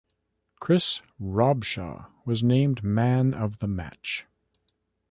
Chris Robshaw was named man of the match.